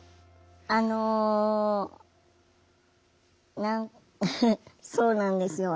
あの何そうなんですよ